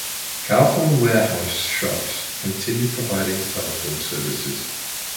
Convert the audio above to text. Carphone Warehouse shops continue providing telephone services.